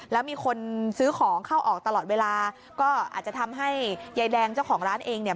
แล้วมีคนซื้อของเข้าออกตลอดเวลาก็อาจจะทำให้ยายแดงเจ้าของร้านเองเนี่ย